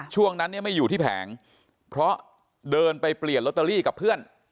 ช่วงนั้นเนี่ยไม่อยู่ที่แผงเพราะเดินไปเปลี่ยนลอตเตอรี่กับเพื่อน